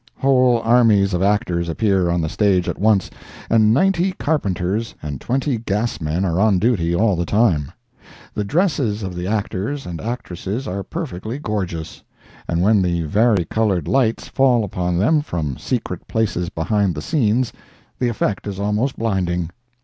Whole armies of actors appear on the stage at once, and ninety carpenters and twenty gas men are on duty all the time. The dresses of the actors and actresses are perfectly gorgeous, and when the vari colored lights fall upon them from secret places behind the scenes, the effect is almost blinding.